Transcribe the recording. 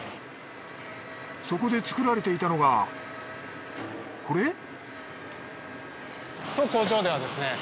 そこで作られていたのがこれ？